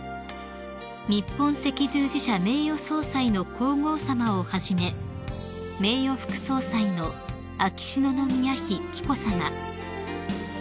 ［日本赤十字社名誉総裁の皇后さまをはじめ名誉副総裁の秋篠宮妃紀子さま